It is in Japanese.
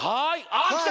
あきた。